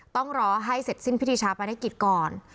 ต้องรอให้เสร็จสิ้นพิธีชาปนกิจก่อน